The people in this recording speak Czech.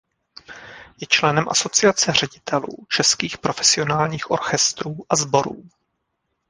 Je členem Asociace ředitelů českých profesionálních orchestrů a sborů.